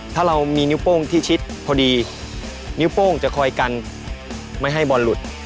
ถ้าเรามีนิ้วโป้งที่ชิดพอดีนิ้วโป้งจะคอยกันไม่ให้บอลหลุด